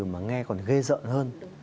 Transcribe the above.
mà nghe còn ghê giận hơn